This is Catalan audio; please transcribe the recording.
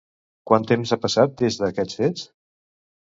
Quant temps ha passat des d'aquests fets?